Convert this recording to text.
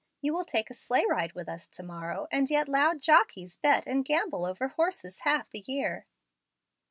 You will take a sleigh ride with us to morrow, and yet loud jockeys bet and gamble over horses half the year."